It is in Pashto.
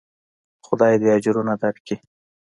خداى دې اجرونه دركي.